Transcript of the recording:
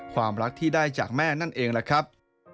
ความรักที่ได้จากแม่นั่นเองแหละครับ